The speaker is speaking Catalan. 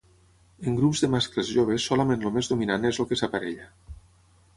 En grups de mascles joves solament el més dominant és el que s'aparella.